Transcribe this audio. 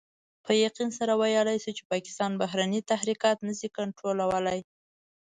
په يقين سره ويلای شو چې پاکستان بهرني تحرکات نشي کنټرولولای.